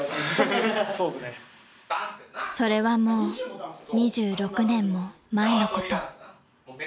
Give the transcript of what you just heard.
［それはもう２６年も前のこと］